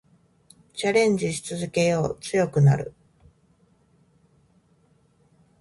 チャレンジし続けよう。強くなる。